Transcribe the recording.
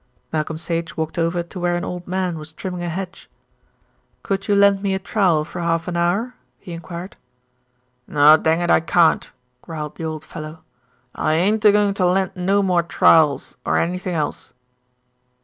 Malcolm Sage walked over to where an old man was trimming a hedge. "Could you lend me a trowel for half an hour?" he enquired. "No, dang it, I can't," growled the old fellow. "I ain't a going to lend no more trowels or anything else."